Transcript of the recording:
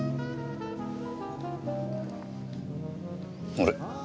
あれ？